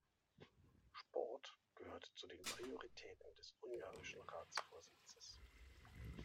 Sport gehört zu den Prioritäten des ungarischen Ratsvorsitzes.